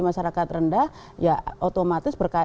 masyarakat rendah ya otomatis